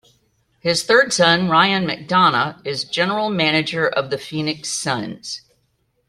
His third son, Ryan McDonough, is general manager of the Phoenix Suns.